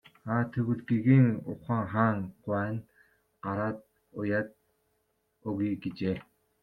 Аа тэгвэл гэгээн хаан гуай нь гараад уяад өгье гэжээ.